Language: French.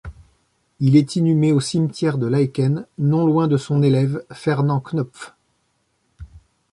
Il est inhumé au cimetière de Laeken, non loin de son élève Fernand Khnopff.